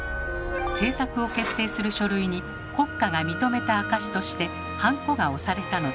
政策を決定する書類に国家が認めた証しとしてハンコが押されたのです。